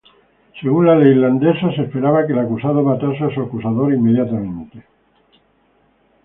Según la ley islandesa, se esperaba que el acusado matase a su acusador inmediatamente.